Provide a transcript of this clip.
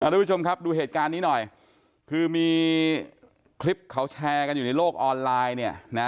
ทุกผู้ชมครับดูเหตุการณ์นี้หน่อยคือมีคลิปเขาแชร์กันอยู่ในโลกออนไลน์เนี่ยนะ